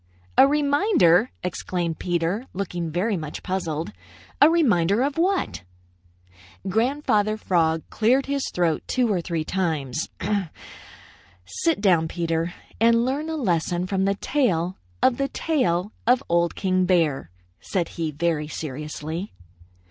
"A reminder!" exclaimed Peter, looking very much puzzled. "A reminder of what?" Grandfather Frog cleared his throat two or three times. "Sit down, Peter, and learn a lesson from the tale of the tail of Old King Bear," said he very seriously.